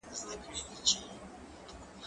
زه مخکي قلم استعمالوم کړی و!؟